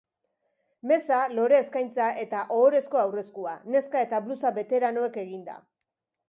Meza, lore-eskaintza eta ohorezko aurreskua, neska eta blusa beteranoek eginda.